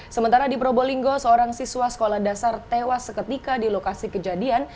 sementara di probolinggo seorang siswa sekolah dasar tewas seketika di lokasi kejadian